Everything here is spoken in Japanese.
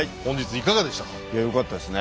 いやよかったですね。